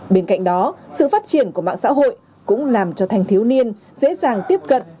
bên cạnh đó sự phát triển của mạng xã hội cũng làm cho thanh thiếu niên dễ dàng tiếp cận